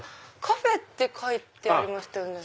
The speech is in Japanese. カフェって書いてありましたよね。